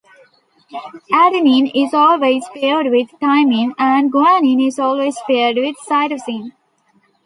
Adenine is always paired with thymine, and guanine is always paired with cytosine.